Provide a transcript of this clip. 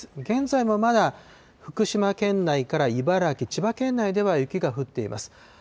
現在もまだ、福島県内から茨城、千葉県内では雪が降っています。